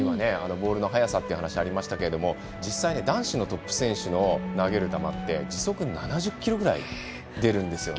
ボールの速さというお話がありましたが実際、男子のトップ選手の投げる球は時速７０キロぐらい出るんですよ。